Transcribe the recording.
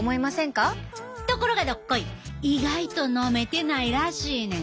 ところがどっこい意外と飲めてないらしいねん。